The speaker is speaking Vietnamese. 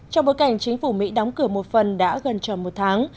trong bối cảnh chính phủ mỹ đóng cửa một phần đã gần tròn một tháng